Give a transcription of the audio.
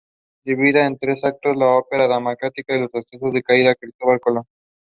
He was buried at Island Cemetery in Newport.